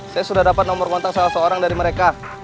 saya sudah dapat nomor kontak salah seorang dari mereka